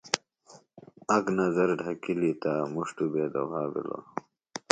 اک نظر ڈھکِلی تہ مُݜ توۡ بے دُھوا بِھلو۔ۡ